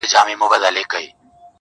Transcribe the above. o ده ناروا.